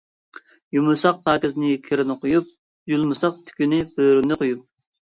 يۇمىساق پاكىزىنى، كىرىنى قويۇپ، يولىمىساق تۈكىنى بۆرىنى قويۇپ.